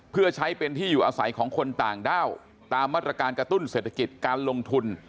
เพื่อใช้เป็นที่อยู่อาศัยของคนต่างด้าวตามมาตรการกระตุ้นเศรษฐกิจการลงทุน